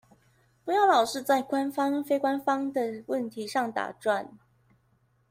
不要老是在官方非官方的問題上打轉